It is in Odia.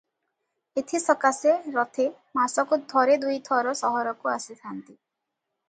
ଏଥି ସକାଶେ ରଥେ ମାସକୁ ଥରେ ଦୁଇ ଥର ସହରକୁ ଆସି ଥାଆନ୍ତି ।